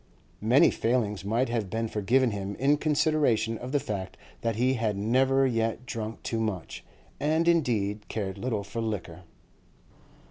Many failings might have been forgiven him in consideration of the fact that he had never yet drunk too much, and indeed cared little for liquor.